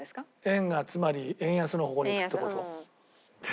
円がつまり円安の方向にいくって事。